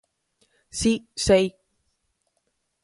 Si, sei.